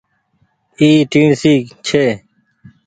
اي ٽيڻسي ڇي۔